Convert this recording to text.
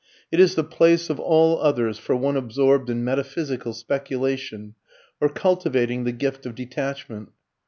It is the place of all others for one absorbed in metaphysical speculation, or cultivating the gift of detachment.